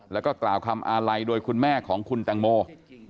แล้วก็กล่าวคำอาลัยโดยคุณแม่ของคุณแตงโม